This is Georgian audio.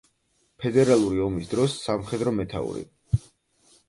ფედერალური ომის დროს სამხედრო მეთაური.